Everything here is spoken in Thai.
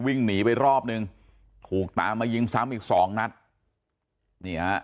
วิ่งหนีไปรอบนึงถูกตามมายิงซ้ำอีกสองนัดนี่ฮะ